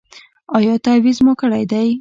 ایا تعویذ مو کړی دی؟